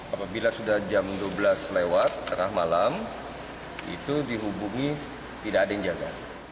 apabila sudah jam dua belas lewat tengah malam itu dihubungi tidak ada yang jaga